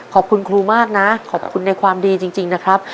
ขอบคุณครูมากนะขอบคุณในความดีจริงนะครับ